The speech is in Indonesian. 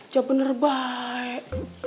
ya bener baik